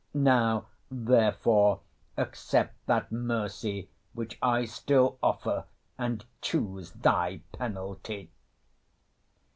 Now therefore accept that mercy which I still offer and choose thy penalty!"